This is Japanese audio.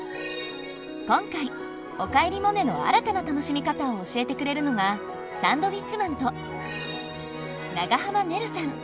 今回「おかえりモネ」の新たな楽しみ方を教えてくれるのがサンドウィッチマンと長濱ねるさん。